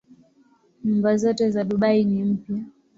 Nyumba zote za Dubai ni mpya.